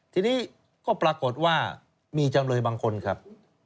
ทีนี้ก็ปรากฏว่ามีจำเลยบางคนครับ